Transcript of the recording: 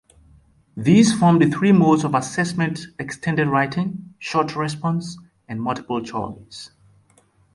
These form the three modes of assessment-extended writing, short-response and multiple-choice.